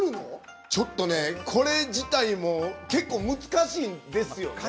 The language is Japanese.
ちょっと、これ自体も結構難しいんですよ。